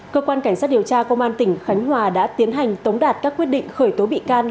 cơ quan cảnh sát điều tra công an tỉnh khánh hòa đã tiến hành tống đạt các quyết định khởi tố bị can